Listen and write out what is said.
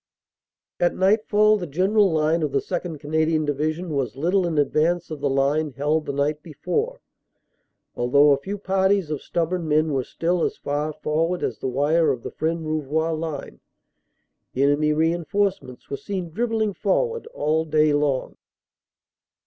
"At nightfall the general line of the 2nd. Canadian Divi sion was little in advance of the line held the night before, although a few parties of stubborn men were still as far for ward as the wire of the Fresnes Rouvroy line. Enemy rein forcements were seen dribbling forward all day long."